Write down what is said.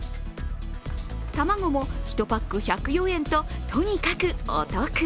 卵も１パック１０４円と、とにかくお得